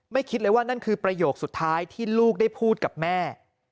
คิดเลยว่านั่นคือประโยคสุดท้ายที่ลูกได้พูดกับแม่